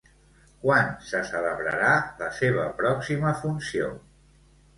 Quan se celebrarà la seva pròxima funció?